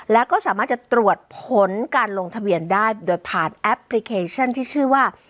แล้วก็สามารถจะตรวจผลการลงทะเบียนได้โดยผ่านแอปพลิเคชันที่ชื่อว่า